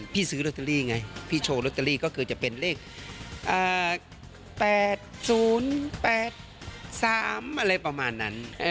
ซื้อโรตเตอรี่ไงพี่โชว์ลอตเตอรี่ก็คือจะเป็นเลข๘๐๘๓อะไรประมาณนั้น